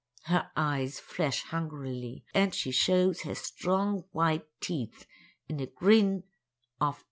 Her eyes flash hungrily, and she shows her strong, white teeth in a grin of anticipation.